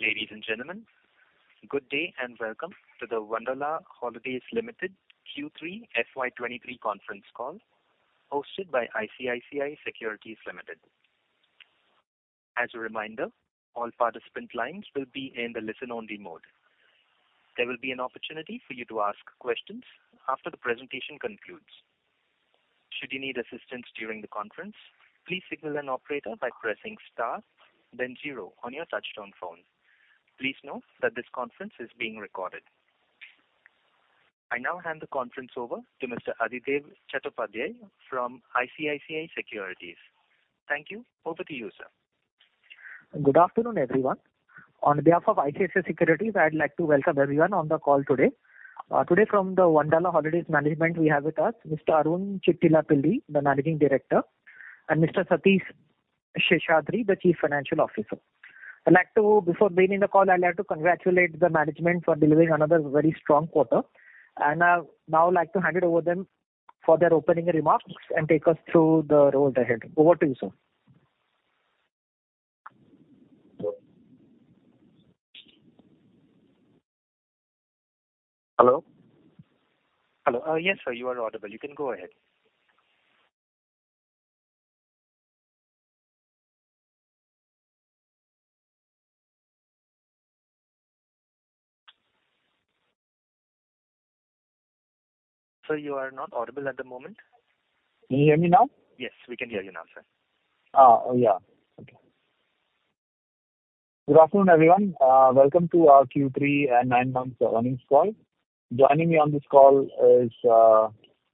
Ladies and gentlemen, good day and welcome to the Wonderla Holidays Limited Q3 FY'23 conference call hosted by ICICI Securities Limited. As a reminder, all participant lines will be in the listen only mode. There will be an opportunity for you to ask questions after the presentation concludes. Should you need assistance during the conference, please signal an operator by pressing star then zero on your touchtone phone. Please note that this conference is being recorded. I now hand the conference over to Mr. Aditya Chattopadhyay from ICICI Securities. Thank you. Over to you, sir. Good afternoon, everyone. On behalf of ICICI Securities, I'd like to welcome everyone on the call today. Today from the Wonderla Holidays management we have with us Mr. Arun Chittilappilly, the Managing Director, and Mr. Satheesh Seshadri, the Chief Financial Officer. Before beginning the call, I'd like to congratulate the management for delivering another very strong quarter. I'd now like to hand it over them for their opening remarks and take us through the road ahead. Over to you, sir. Hello? Hello. yes, sir. You are audible. You can go ahead. Sir, you are not audible at the moment. Can you hear me now? Yes, we can hear you now, sir. Yeah. Okay. Good afternoon, everyone. Welcome to our Q3 and nine months earnings call. Joining me on this call is,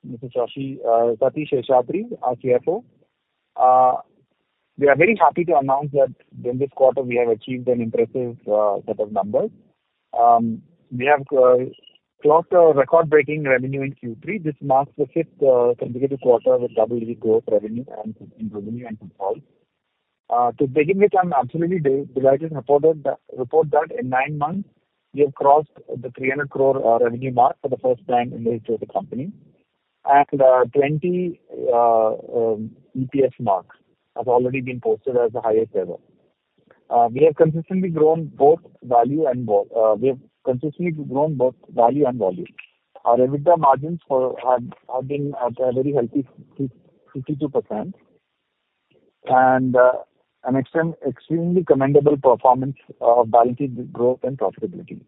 Mr. Sashi, Satheesh Seshadri, our CFO. We are very happy to announce that in this quarter we have achieved an impressive set of numbers. We have closed a record-breaking revenue in Q3. This marks the fifth consecutive quarter with double growth revenue and in revenue and footfall. To begin with, I'm absolutely delighted to report that in nine months we have crossed the 300 crore revenue mark for the first time in the history of the company. 20 EPS mark has already been posted as the highest ever. We have consistently grown both value and volume. Our EBITDA margins have been at a very healthy 50-52% and an extremely commendable performance, balancing growth and profitability.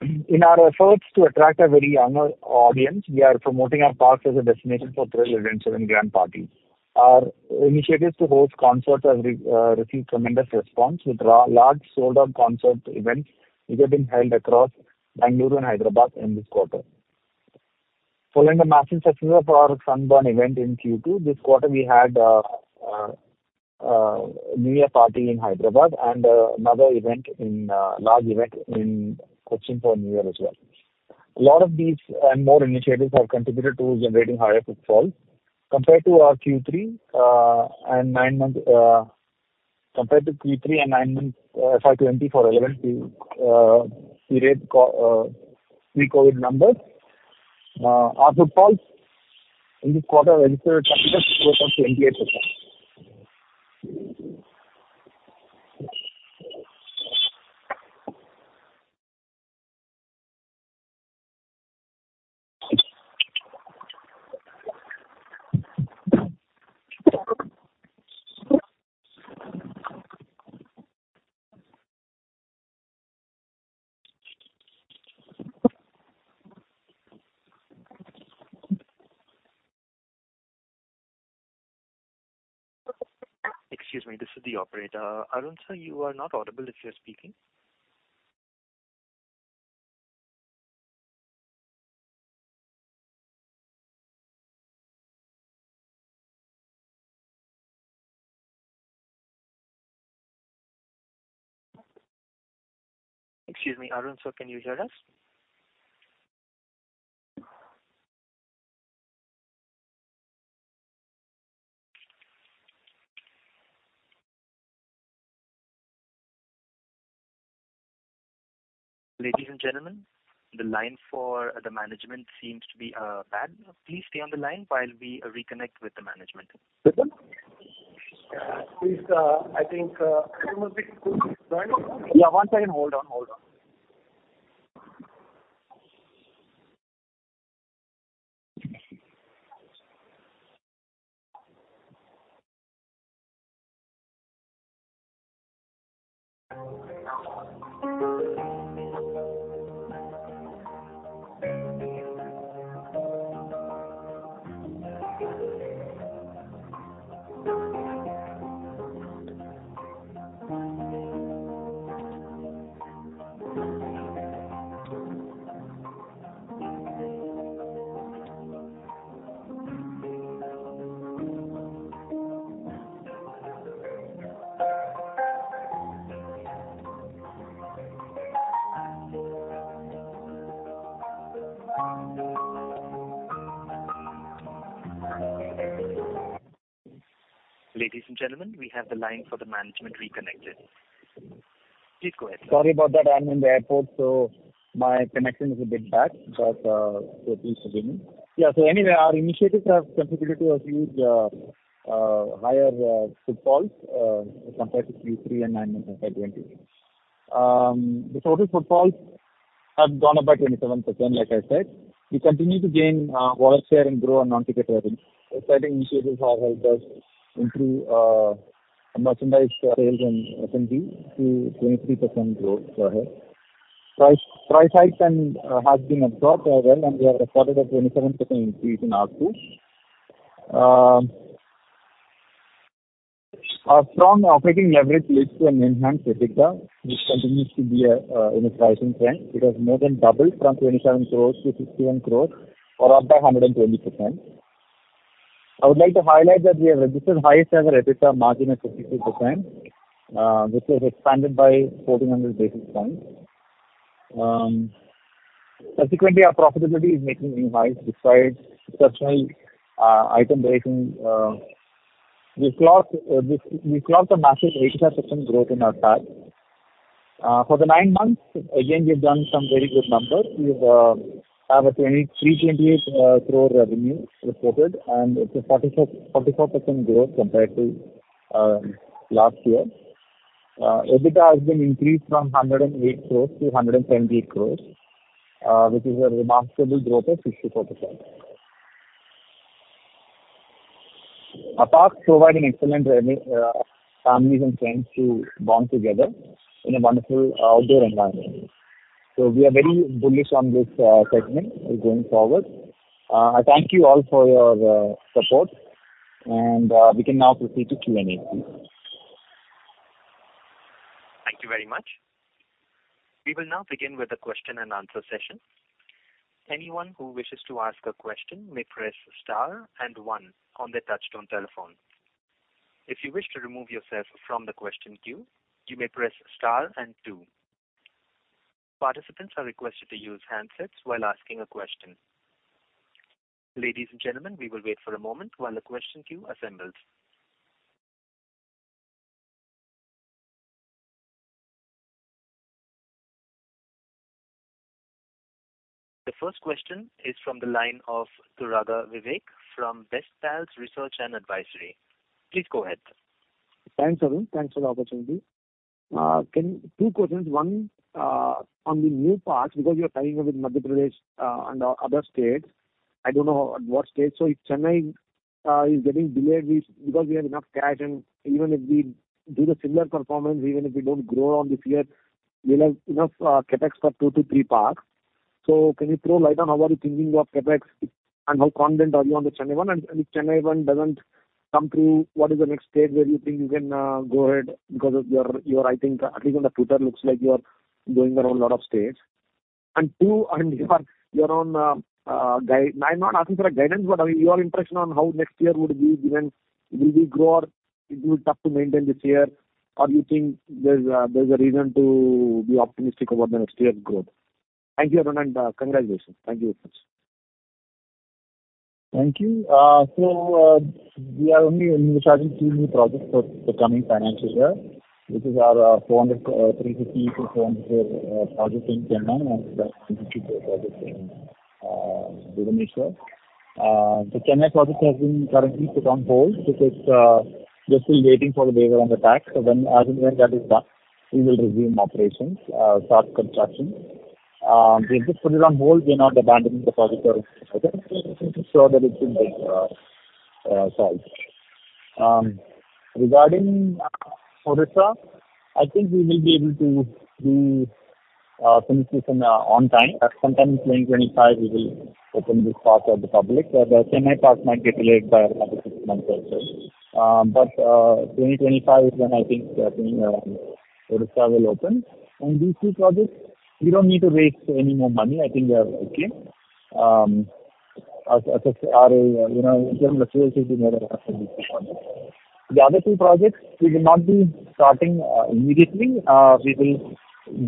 In our efforts to attract a very younger audience, we are promoting our parks as a destination for thrill events and grand parties. Our initiatives to host concerts have received tremendous response with large sold-out concert events which have been held across Bengaluru and Hyderabad in this quarter. Following the massive success of our Sunburn event in Q2, this quarter we had a New Year party in Hyderabad and another large event in Cochin for New Year as well. A lot of these and more initiatives have contributed to generating higher footfall compared to Q3 and nine-month, FY 2024 relevant period pre-COVID numbers. Our footfalls in this quarter registered double growth of 28%. Excuse me, this is the operator. Arun, Sir, you are not audible if you are speaking. Excuse me, Arun, Sir, can you hear us? Ladies and gentlemen, the line for the management seems to be bad. Please stay on the line while we reconnect with the management. Please, I think Yeah, one second. Hold on, hold on. Ladies and gentlemen, we have the line for the management reconnected. Please go ahead. Sorry about that. I'm in the airport, so my connection is a bit bad. Please forgive me. Yeah. Anyway, our initiatives have contributed to a huge, higher footfalls compared to Q3 and nine months of 2023. The total footfalls have gone up by 27%, like I said. We continue to gain wallet share and grow our non-ticket revenue. Exciting initiatives have helped us improve our merchandise sales and F&B to 23% growth year-over-year. Price hikes have been absorbed well, and we have recorded a 27% increase in ARPU. Our strong operating leverage leads to an enhanced EBITDA, which continues to be in a rising trend. It has more than doubled from 27 crores to 61 crores or up by 120%. I would like to highlight that we have registered highest ever EBITDA margin at 52%, which was expanded by 1,400 basis points. Subsequently, our profitability is making new highs despite exceptional itemization, we've clocked a massive 85% growth in our PAT. For the nine months, again, we have done some very good numbers. We have a 328 crore revenue reported, and it's a 44% growth compared to last year. EBITDA has been increased from 108 crores to 128 crores, which is a remarkable growth of 64%. Our parks provide an excellent families and friends to bond together in a wonderful outdoor environment. We are very bullish on this segment going forward. I thank you all for your support and we can now proceed to Q&A, please. Thank you very much. We will now begin with the question and answer session. Anyone who wishes to ask a question may press star one on their touchtone telephone. If you wish to remove yourself from the question queue, you may press star two. Participants are requested to use handsets while asking a question. Ladies and gentlemen, we will wait for a moment while the question queue assembles. The first question is from the line of Turaga Vivek from BESTPALS Finserv Research & Advisory. Please go ahead. Thanks, Arun. Thanks for the opportunity. Two questions. One, on the new parks, because you are tying up with Madhya Pradesh and other states. I don't know at what stage. If Chennai is getting delayed, because we have enough cash and even if we do the similar performance, even if we don't grow on this year, we'll have enough CapEx for two to three parks. Can you throw light on how are you thinking of CapEx and how confident are you on the Chennai one? If Chennai one doesn't come through, what is the next stage where you think you can go ahead because of your, I think, at least on the Twitter, looks like you are going around a lot of states. Two, on your own, I'm not asking for a guidance, but your impression on how next year would be given. Will you grow or it will be tough to maintain this year? Do you think there's a reason to be optimistic about the next year's growth? Thank you, Arun, and congratulations. Thank you very much. Thank you. We are only recharging three new projects for the coming financial year, which is our 400, 350-400 projects in Chennai and INR 250 crore projects in Odisha. The Chennai project has been currently put on hold because we're still waiting for the waiver on the tax. When, as and when that is done, we will resume operations, start construction. We have just put it on hold. We're not abandoning the project. That it's a big size. Regarding Odisha, I think we will be able to do completion on time. At some time in 2025, we will open this park for the public. The Chennai park might get delayed by another six months or so. 2025 is when I think Odisha will open. On these two projects we don't need to raise any more money. I think they are okay. As a, you know, in terms of feasibility these two projects. The other two projects we will not be starting immediately. We will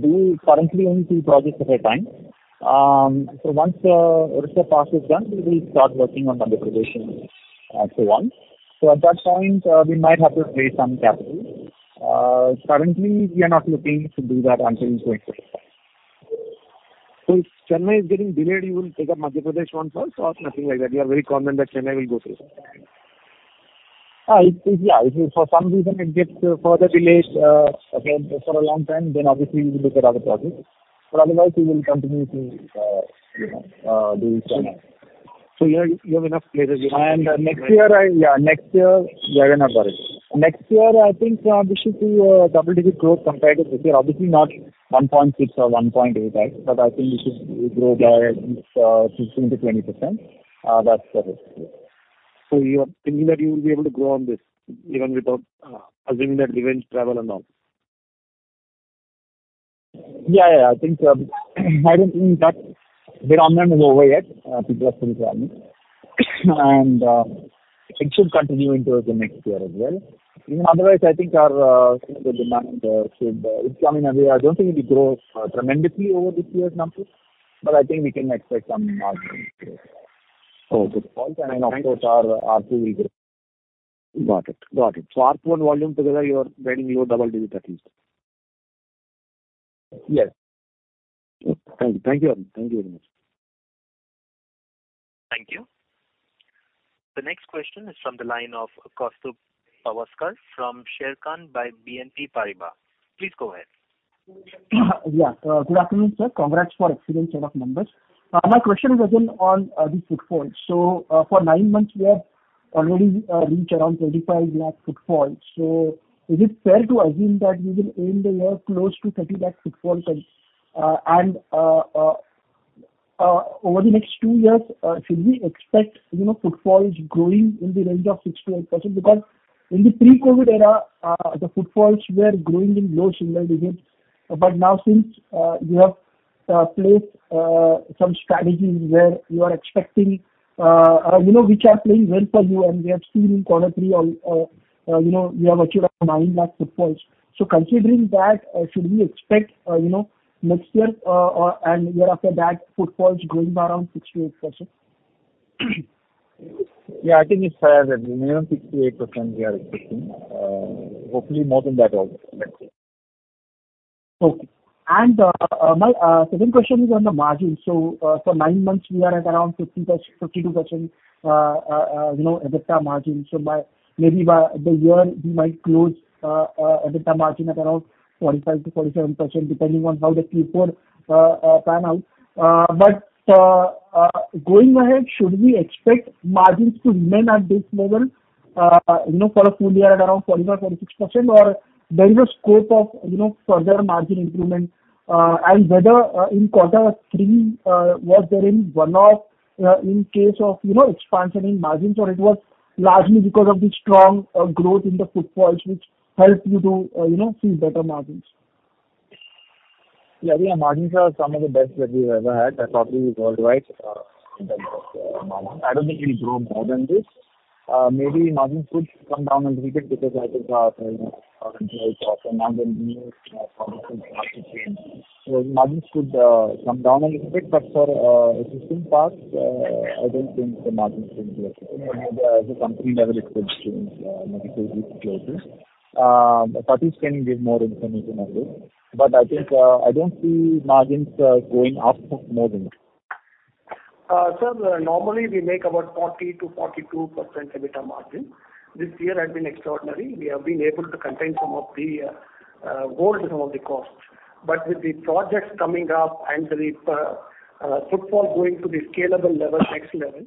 do currently only two projects at a time. Once the Odisha park is done, we will start working on Madhya Pradesh and so on. At that point, we might have to raise some capital. Currently, we are not looking to do that until into next year. If Chennai is getting delayed, you will take up Madhya Pradesh one first or nothing like that? You are very confident that Chennai will go through sometime. If, yeah. If for some reason it gets further delayed, again for a long time, then obviously we will look at other projects, but otherwise we will continue to, you know, do Chennai. You have enough places. Next year we are gonna grow. Next year I think we should see a double-digit growth compared to this year. Obviously not 1.6 or 1.8, but I think we should grow by 15%-20%. That's the hope. You are thinking that you will be able to grow on this even without assuming that revenge travel and all? Yeah. Yeah. I think, I don't think that the demand is over yet. People are still traveling, and it should continue into the next year as well. You know, otherwise I think our, you know, the demand, should, it's coming our way. I don't think it grows tremendously over this year's numbers, but I think we can expect some margin growth. Oh, good. Then of course our two will grow. Got it. Got it. R one volume together you're riding your double digit at least. Yes. Thank you. Thank you, Arun. Thank you very much. Thank you. The next question is from the line of Kaustubh Pawaskar from Sharekhan by BNP Paribas. Please go ahead. Good afternoon, sir. Congrats for excellent set of numbers. My question is again on the footfalls. For nine months we have already reached around 35 lakh footfalls. Is it fair to assume that we will end the year close to 30 lakh footfalls? Over the next two years, should we expect, you know, footfalls growing in the range of 6%-8%? In the pre-COVID era, the footfalls were growing in low single digits. Now since you have placed some strategies where you are expecting, you know, which are playing well for you and we have seen in Q3 all, you know, we have achieved nine lakh footfalls. Considering that, should we expect, you know, next year, and year after that, footfalls growing by around 6%-8%? Yeah, I think it's fair that around 6%-8% we are expecting. Hopefully more than that also. Let's see. Okay. My second question is on the margin. For nine months, we are at around 50%, 52%, you know, EBITDA margin. By, maybe by the year we might close EBITDA margin at around 45%-47%, depending on how the Q4 pan out. Going ahead, should we expect margins to remain at this level? You know, for a full year at around 45%, 46% or there is a scope of, you know, further margin improvement. And whether in Q3 was there any one-off in case of, you know, expansion in margins or it was largely because of the strong growth in the footfalls which helped you to, you know, see better margins? Yeah, I think our margins are some of the best that we've ever had, probably worldwide, in terms of malls. I don't think we'll grow more than this. Maybe margins could come down a little bit because I think, you know, our interest or some other new policies have to change. Margins could come down a little bit, but for existing parks, I don't think the margins will be affected. Maybe as a company level it could change, maybe 50 basis. Satheesh can give more information on this, but I think, I don't see margins going up more than this. Normally we make about 40-42% EBITDA margin. This year has been extraordinary. We have been able to contain some of the goals and some of the costs. With the projects coming up and the footfall going to the scalable level, next level,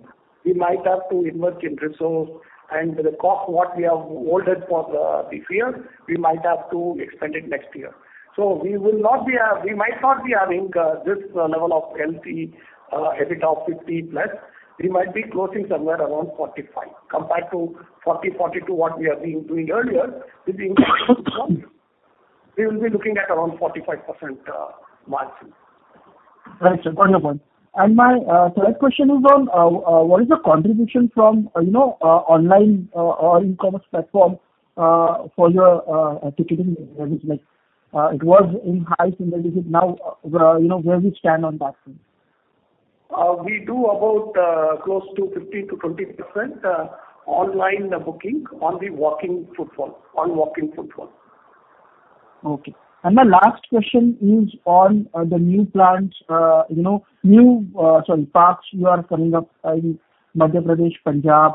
we might have to invest in resource and the cost what we have holded for the year we might have to extend it next year. We will not be, we might not be having this level of healthy EBITDA of 50+. We might be closing somewhere around 45 compared to 40-42 what we have been doing earlier. With the increase we will be looking at around 45% margin. Right, sir. Fair enough. My third question is on what is the contribution from, you know, online, or e-commerce platform, for your ticketing business? Like, it was in high single digits now, you know, where we stand on that front? We do about, close to 15%-20%, online booking on the walk-in footfall. Okay. My last question is on the new plants, you know, new, sorry, parks you are coming up in Madhya Pradesh, Punjab.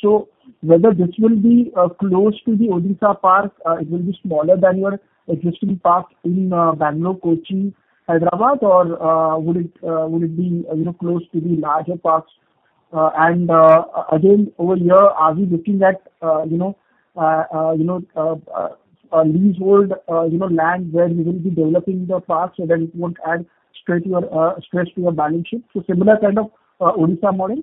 So whether this will be close to the Odisha park, it will be smaller than your existing park in Bangalore, Kochi, Hyderabad? Would it be, you know, close to the larger parks? Again, over here, are we looking at, you know, you know, leasehold, you know, land where you will be developing the parks so that it won't add stress to your balance sheet? So similar kind of Odisha model.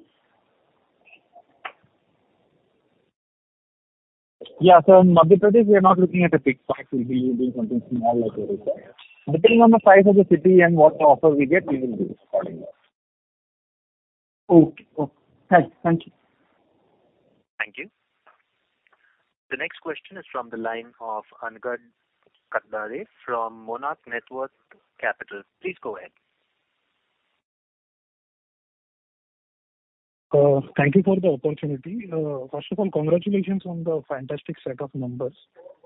Yeah. In Madhya Pradesh we are not looking at a big park. We'll be doing something small as we require. Depending on the size of the city and what offer we get, we will do accordingly. Okay. Okay. Thank you. Thank you. The next question is from the line of Angad Kadade from Monarch Networth Capital. Please go ahead. Thank you for the opportunity. First of all, congratulations on the fantastic set of numbers.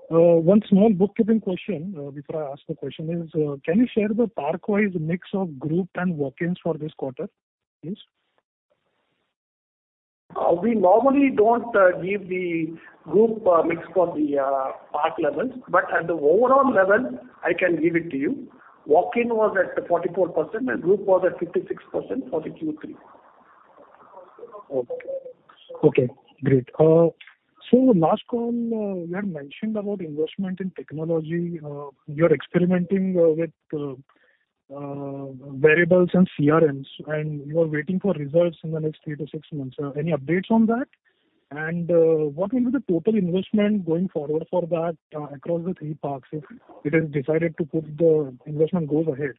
One small bookkeeping question, before I ask the question is, can you share the park-wise mix of group and walk-ins for this quarter, please? We normally don't give the group mix for the park levels, but at the overall level, I can give it to you. Walk-in was at 44% and group was at 56% for the Q3. Okay. Okay, great. Last call, you had mentioned about investment in technology. You are experimenting with variables and CRMs, and you are waiting for results in the next three to six months. Any updates on that? What will be the total investment going forward for that across the three parks if it is decided to put the investment goes ahead?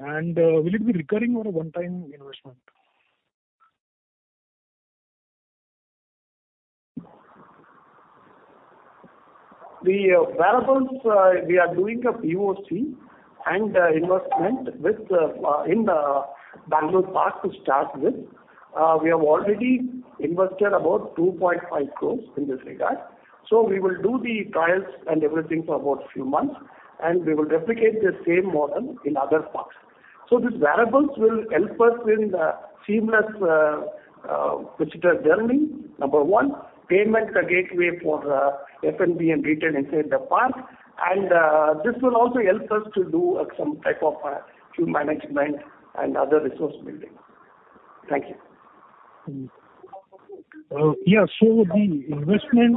Will it be recurring or a one-time investment? The wearables, we are doing a POC and investment with, in the Bangalore park to start with. We have already invested about 2.5 crores in this regard. We will do the trials and everything for about a few months, and we will replicate the same model in other parks. These wearables will help us in the seamless visitor journey, number one. Payment gateway for F&B and retail inside the park. This will also help us to do some type of queue management and other resource building. Thank you. Yeah. the investment,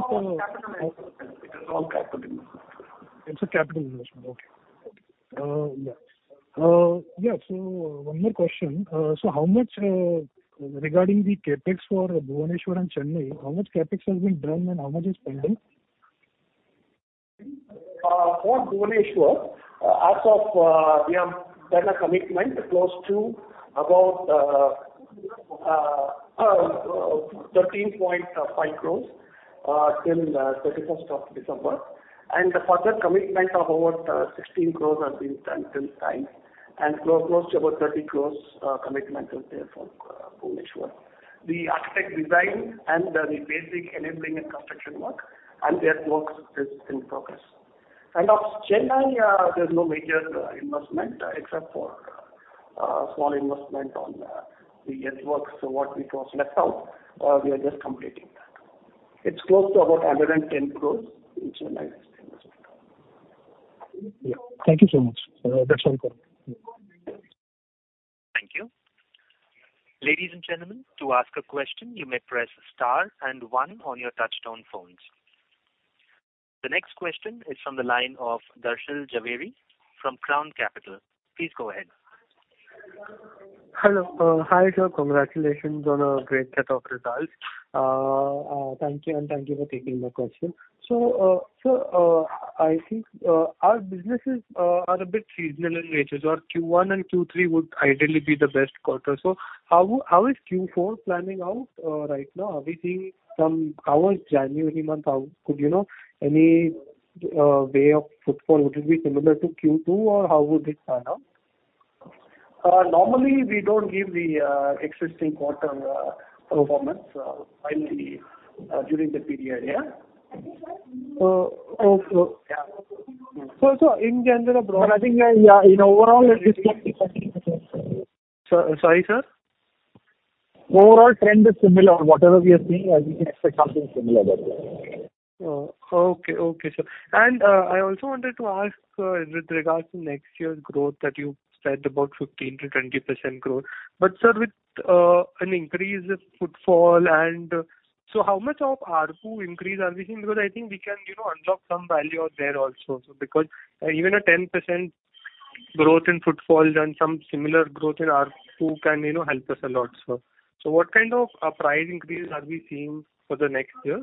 It is all capital. It's a capital investment. Okay. Yeah. Yeah, One more question. How much, regarding the CapEx for Bhubaneswar and Chennai, how much CapEx has been done, and how much is pending? For Bhubaneswar, as of, we have done a commitment close to about INR 13.5 crores till the 31st of December. The further commitment of over 16 crores has been done till time, and close to about 30 crores commitment is there for Bhubaneswar. The architect design and the basic enabling and construction work and their works is in progress. Of Chennai, there's no major investment except for small investment on the earthworks. What it was left out, we are just completing that. It's close to about 11, 10 crores in Chennai investment. Yeah. Thank you so much. That's all. Thank you. Ladies and gentlemen, to ask a question, you may press star and one on your touchtone phones. The next question is from the line of Darshan Jhaveri from Crown Capital. Please go ahead. Hello. Hi, sir. Congratulations on a great set of results. Thank you, and thank you for taking my question. Sir, I think our businesses are a bit seasonal in nature, our Q1 and Q3 would ideally be the best quarter. How is Q4 planning out right now? How was January month out? Could you know any way of footfall? Would it be similar to Q2, or how would it pan out? Normally we don't give the existing quarter performance finally during the period. Yeah. Okay. Yeah. So, so in general- I think, yeah, in overall it is Sorry, sir? Overall trend is similar. Whatever we are seeing, we can expect something similar there. Okay. Okay, sir. I also wanted to ask with regards to next year's growth that you said about 15%-20% growth. Sir, with an increase in footfall and... how much of ARPU increase are we seeing? Because I think we can, you know, unlock some value out there also. Because even a 10% growth in footfall and some similar growth in ARPU can, you know, help us a lot, sir. What kind of a price increase are we seeing for the next year?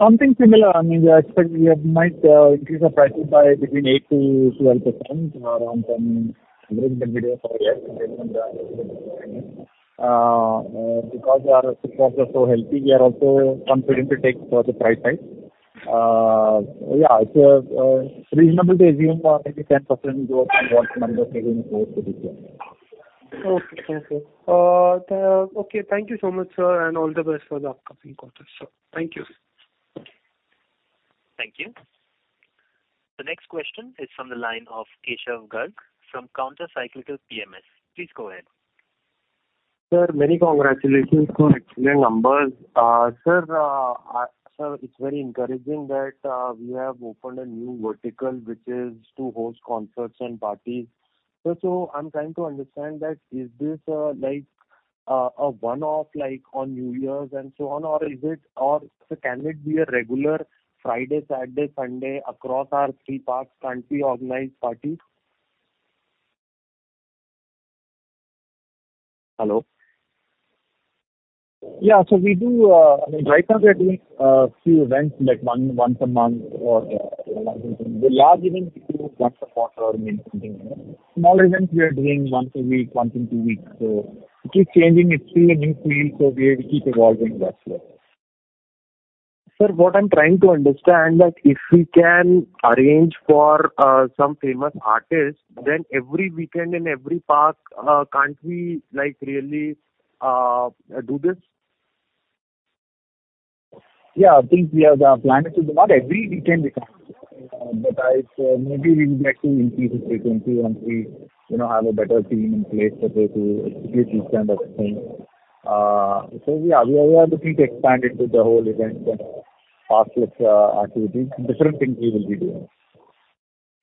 Something similar. I mean, we expect we have might increase our prices by between 8%-12% around from during the video for next year and because our footfalls are so healthy, we are also confident to take the price hike. Yeah. reasonable to assume maybe 10% growth in what number we are going forward to this year. Okay. Thank you so much, sir, and all the best for the upcoming quarter, sir. Thank you. Thank you. The next question is from the line of Keshav Garg from Counter Cyclical PMS. Please go ahead. Sir, many congratulations for excellent numbers. Sir, it's very encouraging that we have opened a new vertical, which is to host concerts and parties. I'm trying to understand that is this a one-off on New Year's and so on? Can it be a regular Friday, Saturday, Sunday across our three parks, can't we organize parties? Hello. Yeah. We do, I mean, right now we are doing few events like once a month or something. The large events we do once a quarter or maybe something. Small events we are doing once a week, once in two weeks. It keeps changing. It's still a new field, so we have to keep evolving that way. Sir, what I'm trying to understand, like if we can arrange for some famous artist, then every weekend in every park, can't we, like, really do this? Yeah, I think we have planned it. Not every weekend we can. Maybe we would like to increase the frequency once we, you know, have a better team in place that way to execute each kind of thing. Yeah, we are looking to expand into the whole event and park with activities. Different things we will be doing.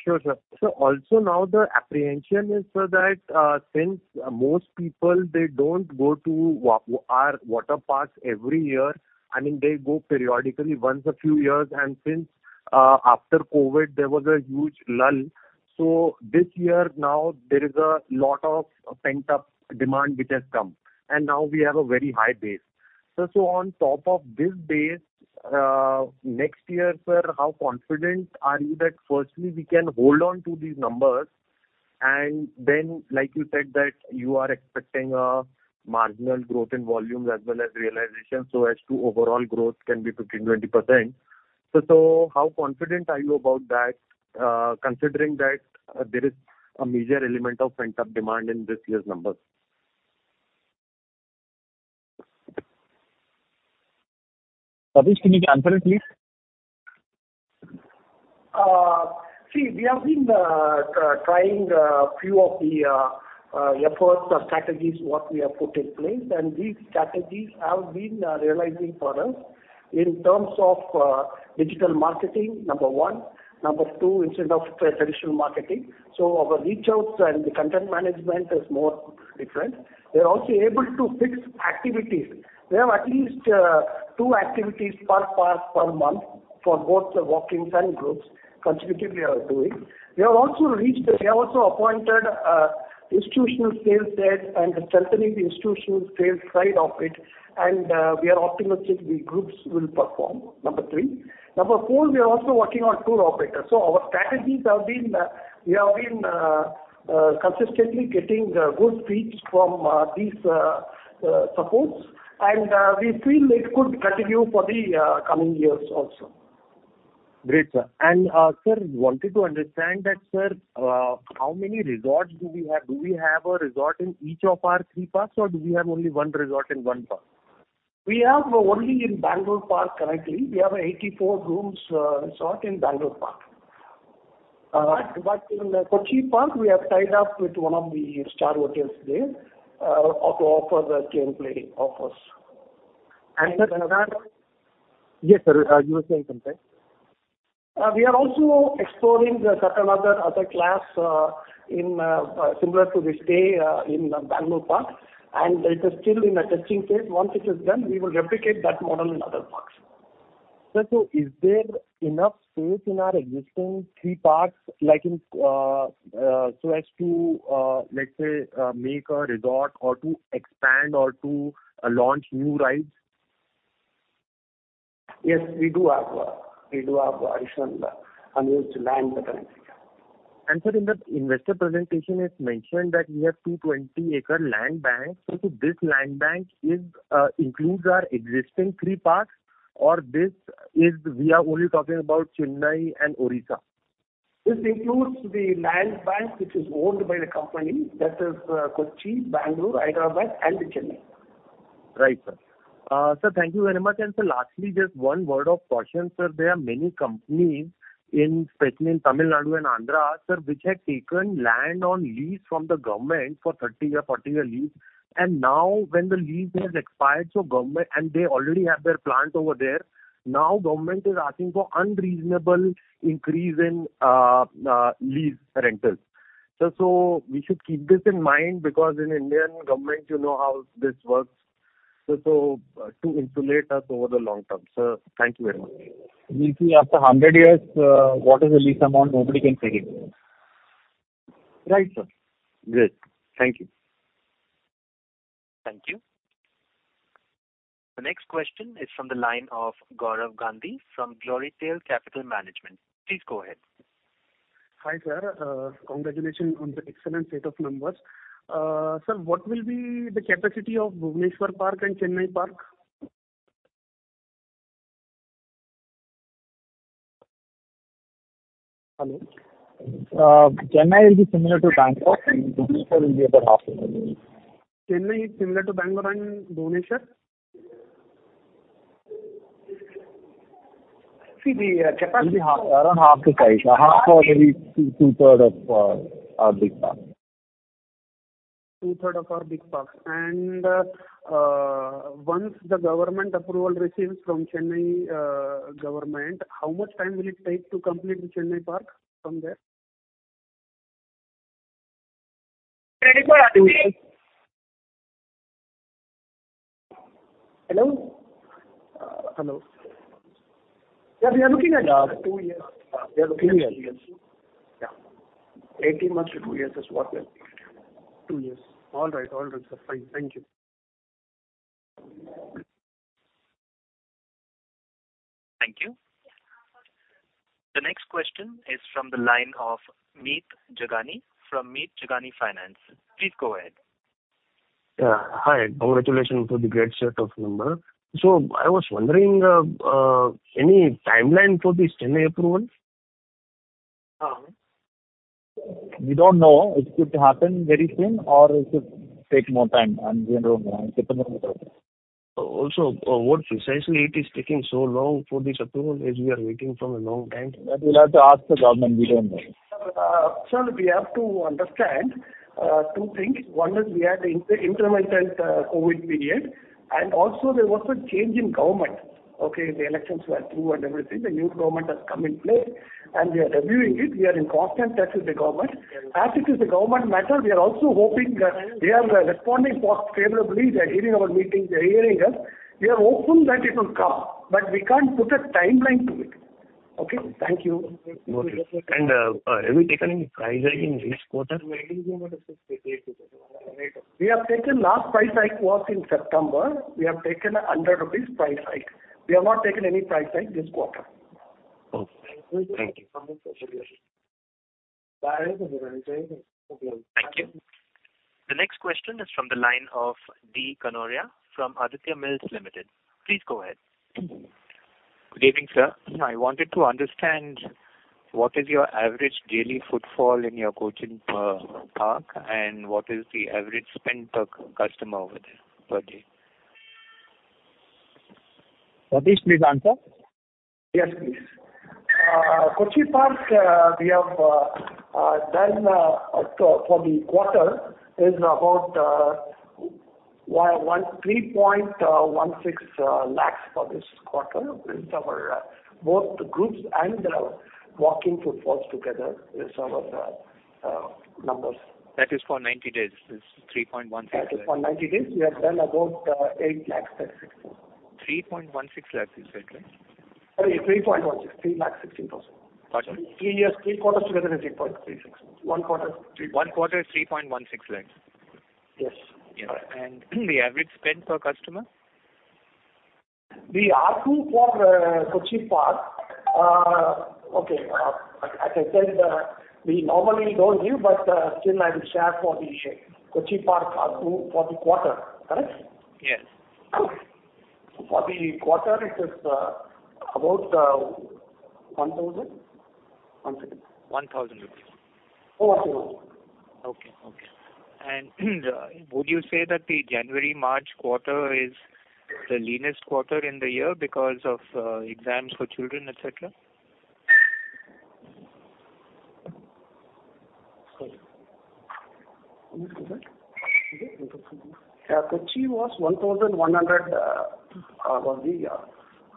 Sure, sir. Also now the apprehension is, sir, that since most people, they don't go to our water parks every year, I mean, they go periodically once a few years, and since after COVID, there was a huge lull. This year now there is a lot of pent-up demand which has come, and now we have a very high base. On top of this base, next year, sir, how confident are you that firstly we can hold on to these numbers? Then, like you said, that you are expecting a marginal growth in volumes as well as realization, so as to overall growth can be 15%-20%. How confident are you about that, considering that there is a major element of pent-up demand in this year's numbers? Satheesh, can you answer it, please? See, we have been trying few of the efforts or strategies what we have put in place. These strategies have been realizing for us in terms of digital marketing, number one. Number two, instead of traditional marketing. Our reach outs and the content management is more different. We are also able to fix activities. We have at least two activities per park per month for both the walk-ins and groups, consecutively are doing. We have also appointed institutional sales rep and strengthening the institutional sales side of it. We are optimistic the groups will perform. Number three. Number four, we are also working on tour operators. Our strategies have been, we have been consistently getting good feeds from these supports. We feel it could continue for the coming years also. Great, sir. Sir, wanted to understand that, sir, how many resorts do we have? Do we have a resort in each of our three parks, or do we have only one resort in one park? We have only in Bangalore Park currently. We have 84 rooms, resort in Bangalore Park. In Kochi Park, we have tied up with one of the star hotels there, to offer the same play offers. Sir Yes, sir. You were saying something. We are also exploring the certain other class in similar to this stay in Bangalore park. It is still in a testing phase. Once it is done, we will replicate that model in other parks. Sir, is there enough space in our existing three parks, like in, so as to, let's say, make a resort or to expand or to launch new rides? Yes, we do have additional unused land currently. Sir, in the investor presentation, it's mentioned that we have 220 acre land bank. This land bank is includes our existing three parks or this is we are only talking about Chennai and Orissa? This includes the land bank, which is owned by the company that is Kochi, Bangalore, Hyderabad and Chennai. Right, sir. Sir, thank you very much. Sir, lastly, just one word of caution, sir. There are many companies in, especially in Tamil Nadu and Andhra, sir, which have taken land on lease from the government for 30 or 40-year lease. Now when the lease has expired, and they already have their plant over there. Now, government is asking for unreasonable increase in lease rentals. We should keep this in mind because in Indian Government you know how this works. To insulate us over the long term. Sir, thank you very much. We'll see after 100 years, what is the lease amount, nobody can say it. Right, sir. Great. Thank you. Thank you. The next question is from the line of Gaurav Gandhi from Gloritail Capital Management. Please go ahead. Hi, sir. Congratulations on the excellent set of numbers. Sir, what will be the capacity of Bhubaneswar park and Chennai park? Hello? Chennai will be similar to Bangalore and Bhubaneswar will be about half of Chennai. Chennai is similar to Bangalore and Bhubaneswar? See the capacity. It'll be half, around half the size. Half or maybe two-third of our big parks. Two-third of our big parks. Once the government approval receives from Chennai government, how much time will it take to complete the Chennai park from there? Hello? Hello. We are looking at two years. We are looking at two years. 18 months to two years is what we are looking at. Two years. All right. All right, sir. Fine. Thank you. Thank you. The next question is from the line of Meet Jagani from Meet Jagani Finance. Please go ahead. Yeah. Hi. Congratulations on the great set of numbers. I was wondering, any timeline for this Chennai approval? We don't know. It could happen very soon or it could take more time. I'm being honest. What precisely it is taking so long for this approval as we are waiting from a long time? That we'll have to ask the government. We don't know. Sir, sir, we have to understand two things. One is we had the intermitted COVID period, and also there was a change in government. Okay? The elections were through and everything. The new government has come in place and we are reviewing it. We are in constant touch with the government. As it is a government matter, we are also hoping that they are responding favorably. They are hearing our meetings, they are hearing us. We are hopeful that it will come, but we can't put a timeline to it. Okay? Thank you. Okay. Have you taken any price hike in this quarter? Last price hike was in September. We have taken a 100 rupees price hike. We have not taken any price hike this quarter. Okay. Thank you. Thank you. The next question is from the line of D. Kanoria from Aditya Mills Limited. Please go ahead. Good evening, sir. I wanted to understand what is your average daily footfall in your Cochin, park, and what is the average spend per customer over there per day? Satheesh, please answer. Yes, please. Kochi Park, we have done for the quarter is about 3.16 lakhs for this quarter. It's our both the groups and the walk-in footfalls together. It's our numbers. That is for 90 days, this 3.16. That is for 90 days. We have done about, INR 8 lakh that INR 3.16 lakhs you said, right? Sorry, 3.16. INR 316,000. Pardon? Three years, three quarters together is 8.36. One quarter is three point. One quarter is INR 3.16 lakhs. Yes. Yes. The average spend per customer? The ARPU for Kochi park. As I said, we normally don't give, but still I will share for the Kochi park ARPU for the quarter. Correct? Yes. For the quarter it is, about, 1,000. 1 second. 1 thousand rupees. More or less. Okay. Okay. Would you say that the January-March quarter is the leanest quarter in the year because of, exams for children, et cetera? Sorry. Yeah, Kochi was 1,100, was the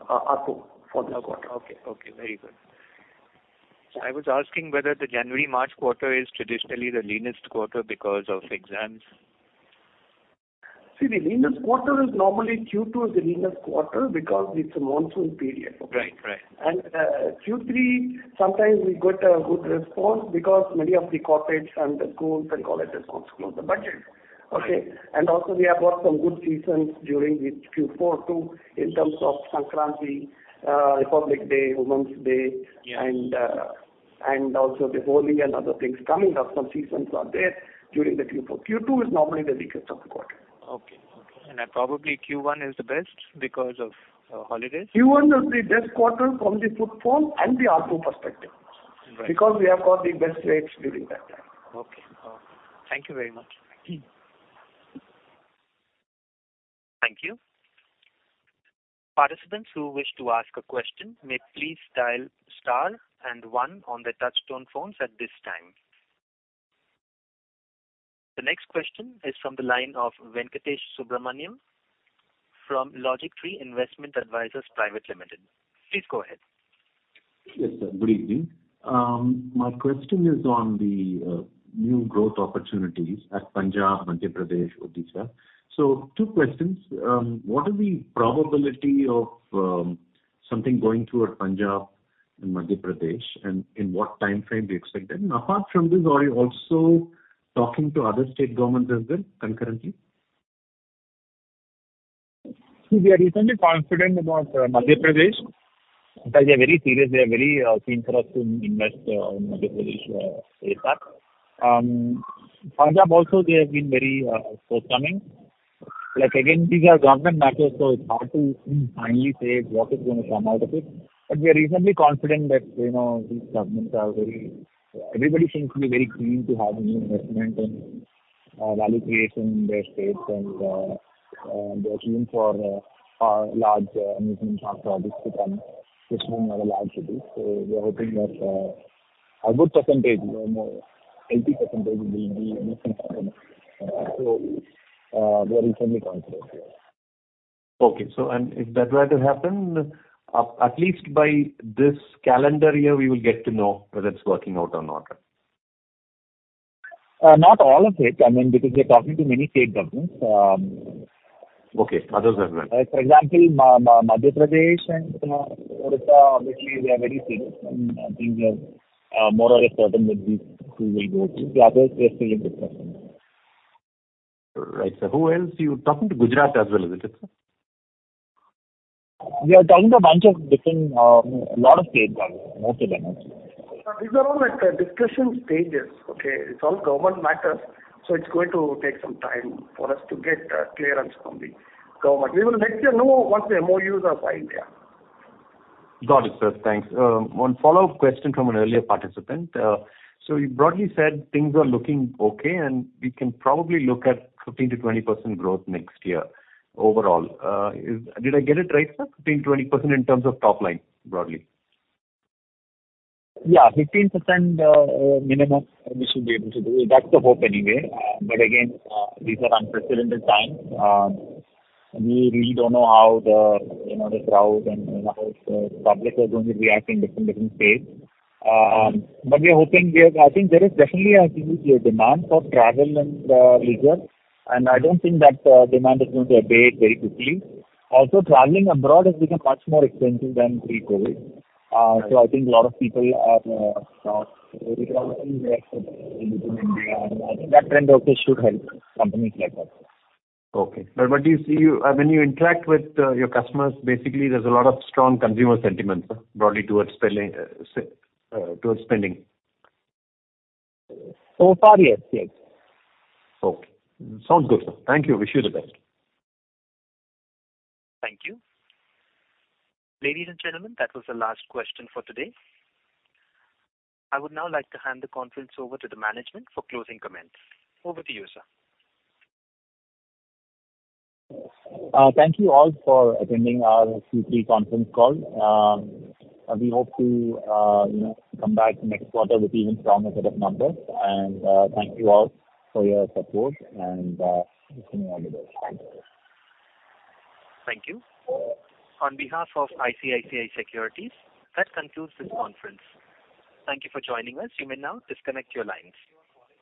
ARPU for the quarter. Okay. Okay. Very good. I was asking whether the January-March quarter is traditionally the leanest quarter because of exams. See, the leanest quarter is normally Q2 is the leanest quarter because it's a monsoon period. Right. Right. Q3, sometimes we get a good response because many of the corporates and the schools and colleges also close the budget. Okay? Also we have got some good seasons during the Q4 too, in terms of Sankranti, Republic Day, Women's Day... Yeah. Also the Holi and other things coming up. Some seasons are there during the Q4. Q2 is normally the weakest of the quarter. Okay. Okay. Then probably Q1 is the best because of holidays. Q1 is the best quarter from the footfall and the ARPU perspective. Right. We have got the best rates during that time. Okay. Thank you very much. Thank you. Thank you. Participants who wish to ask a question may please dial star and one on their touchtone phones at this time. The next question is from the line of Venkatesh Subramanian from LogicTree Investment Advisers Private Limited. Please go ahead. Yes, sir. Good evening. My question is on the new growth opportunities at Punjab, Madhya Pradesh, Odisha. Two Questions: What is the probability of something going through at Punjab and Madhya Pradesh and in what timeframe do you expect them? Apart from this, are you also talking to other state governments as well concurrently? We are reasonably confident about Madhya Pradesh, because they're very serious, they're very keen for us to invest in Madhya Pradesh state park. Punjab also they have been very forthcoming. Like, again, these are government matters, it's hard to finally say what is gonna come out of it. We are reasonably confident that, you know, Everybody seems to be very keen to have new investment and value creation in their states and they are keen for large amusement park projects to come especially in our large cities. We are hoping that a good percentage, you know, 80% will be reasonably confident. We are reasonably confident, yes. Okay. If that were to happen, at least by this calendar year we will get to know whether it's working out or not? not all of it. I mean, because we are talking to many state governments, Okay. Others as well. Like, for example, Madhya Pradesh and Odisha, obviously they are very serious. I think we are more or less certain that these two will go through. The others, we are still in discussion. Right, sir. Who else? You're talking to Gujarat as well, is it, sir? We are talking to a bunch of different, a lot of states, actually. Most of them, actually. These are all at the discussion stages, okay? It's all government matters, so it's going to take some time for us to get clearance from the government. We will let you know once the MOUs are signed, yeah. Got it, sir. Thanks. One follow-up question from an earlier participant. You broadly said things are looking okay, and we can probably look at 15%-20% growth next year overall. Did I get it right, sir? 15%, 20% in terms of top line broadly. Yeah. 15% minimum we should be able to do. That's the hope anyway. Again, these are unprecedented times. We really don't know how the, you know, the crowd and, you know, the public are going to react in different states. We are hoping we are... I think there is definitely a huge demand for travel and leisure, and I don't think that demand is going to abate very quickly. Also, traveling abroad has become much more expensive than pre-COVID. I think a lot of people are, you know, in India, and I think that trend also should help companies like us. Okay. What do you see... When you interact with, your customers, basically there's a lot of strong consumer sentiment, sir, broadly towards spelling, towards spending. Far, yes. Yes. Okay. Sounds good, sir. Thank you. Wish you the best. Thank you. Ladies and gentlemen, that was the last question for today. I would now like to hand the conference over to the management for closing comments. Over to you, sir. Thank you all for attending our Q3 conference call. We hope to, you know, come back next quarter with even stronger set of numbers. Thank you all for your support and wishing you all the best. Thank you. Thank you. On behalf of ICICI Securities, that concludes this conference. Thank you for joining us. You may now disconnect your lines.